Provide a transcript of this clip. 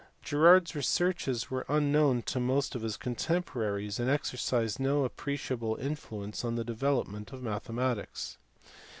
Girard s researches were unknown to most of his contemporaries, and exercised no appreciable influence on the development of mathematics.